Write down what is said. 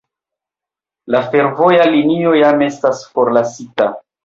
La fervoja linio jam estas forlasita.